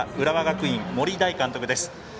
浦和学院、森大監督です。